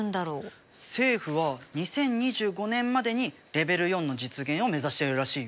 政府は２０２５年までにレベル４の実現を目指してるらしいよ。